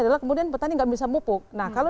adalah kemudian petani tidak bisa pupuk nah kalau